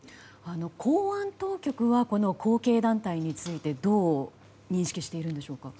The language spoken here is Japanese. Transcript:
公安当局は後継団体についてどう認識しているんですか。